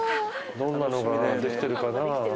どんなのができてると思う？